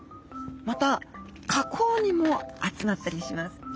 また河口にも集まったりします。